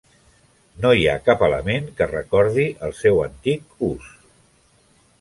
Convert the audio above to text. No hi ha cap element que recordi el seu antic ús.